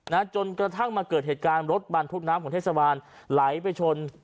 จนกระทั่งมาเกิดเหตุการณ์รถบรรทุกน้ำของเทศบาลไหลไปชน